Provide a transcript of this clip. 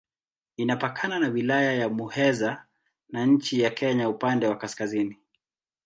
Inapakana na Wilaya ya Muheza na nchi ya Kenya upande wa kaskazini.